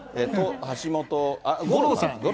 橋本五郎さん。